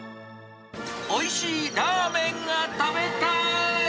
おいしいラーメンが食べたーい！